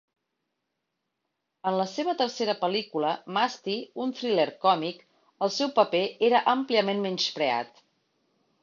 En la seva tercera pel·lícula, "Masti", un thriller còmic, el seu paper era àmpliament menyspreat.